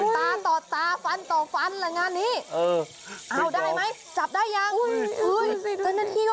ตาต่อตาฟันต่อฟันงานนี้